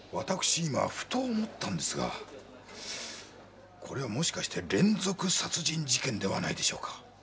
今ふと思ったんですがこれはもしかして連続殺人事件ではないでしょうか？